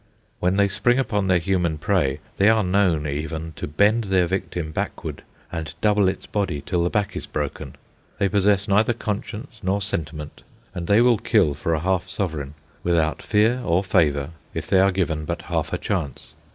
When they spring upon their human prey they are known even to bend the victim backward and double its body till the back is broken. They possess neither conscience nor sentiment, and they will kill for a half sovereign, without fear or favour, if they are given but half a chance.